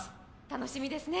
楽しみですね